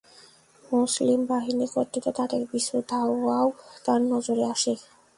মুসলিম বাহিনী কর্তৃক তাদের পিছু ধাওয়াও তার নজরে আসে।